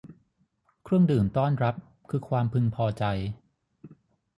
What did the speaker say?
เครื่องดื่มต้อนรับคือความพึงพอใจ